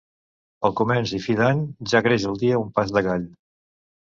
Al començ i fi de l'any ja creix el dia un pas de gall.